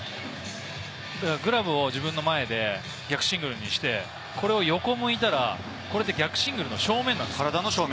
グラフを自分の前で逆シングルにして、これを横向いたら、これで逆シングルの正面なんです。